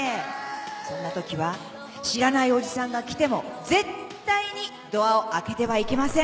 そんなときは知らないおじさんが来ても絶対にドアを開けてはいけません」